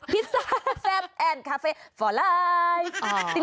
พิซซ่าแซ่บแอนด์คาเฟ่ฟอไลน์